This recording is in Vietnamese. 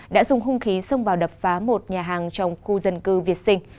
đã dùng hung khí xông vào đập phá một nhà hàng trong khu dân cư việt sinh